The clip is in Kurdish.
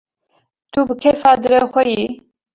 - Tu bi kêfa dilê xwe yî…